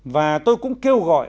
và tôi cũng kêu gọi